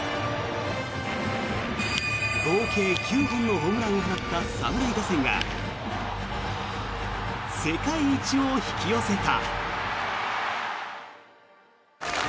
合計９本のホームランを放った侍打線が世界一を引き寄せた。